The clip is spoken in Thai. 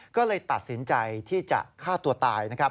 ก็เลยตัดสินใจที่จะฆ่าตัวตาย